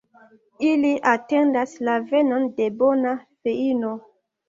Ili atendas la venon de bona feino.